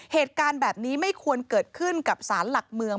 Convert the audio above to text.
เหตุการณ์แบบนี้ไม่ควรเกิดขึ้นกับสารหลักเมือง